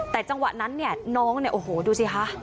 แต่จังหวะนั้นเนี่ยน้องเนี่ยโอ้โหดูสิคะ